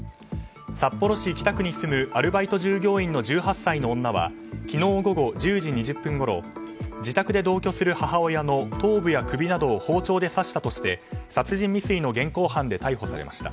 札幌市北区に住むアルバイト従業員の１８歳の女は昨日午後１０時２０分ごろ自宅で同居する母親の頭部や首などを包丁で刺したとして殺人未遂の現行犯で逮捕されました。